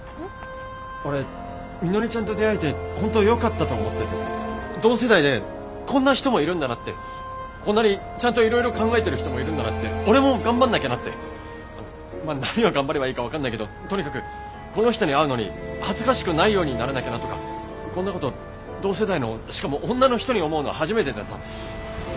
俺みのりちゃんと出会えて本当よかったと思っててさ同世代でこんな人もいるんだなってこんなにちゃんといろいろ考えてる人もいるんだなって俺も頑張んなきゃなってまあ何を頑張ればいいか分かんないけどとにかくこの人に会うのに恥ずかしくないようにならなきゃなとかこんなこと同世代のしかも女の人に思うの初めてでさ。